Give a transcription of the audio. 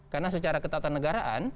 karena secara ketatanegaraan